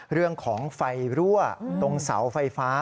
เรื่องของไฟรั่วตรงเสาไฟฟ้า